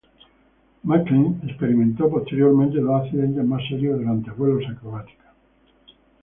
Maclean experimentó posteriormente dos accidentes más serios durante vuelos acrobáticos.